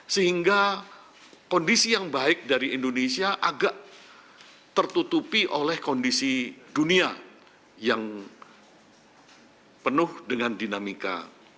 sehingga kondisi yang baik dari indonesia agak tertutupi oleh kondisi dunia yang penuh dengan dinamika